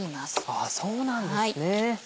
ああそうなんですね。